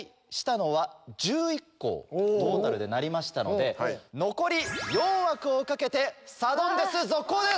トータルでなりましたので残り４枠を懸けてサドンデス続行です！